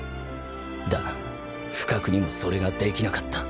だが不覚にもそれができなかった。